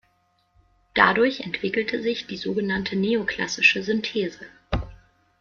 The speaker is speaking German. Dadurch entwickelte sich die sogenannte neoklassische Synthese.